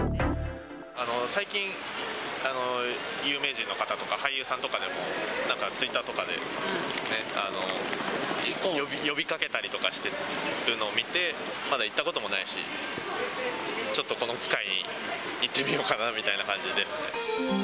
最近、有名人の方とか俳優さんとかでも、なんかツイッターとかで呼びかけたりとかしてるのを見て、まだ行ったこともないし、ちょっとこの機会に行ってみようかなみたいな感じですね。